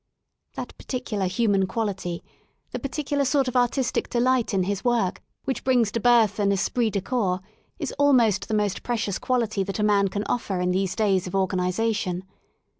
That particular human quality* the particular sort of artistic delight in his work which brings to birth an esprii de corps, is almost the most precious quality that a man can offer in these days of organisation.